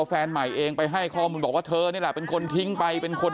แฟนใหม่เองไปให้ข้อมูลบอกว่าเธอนี่แหละเป็นคนทิ้งไปเป็นคน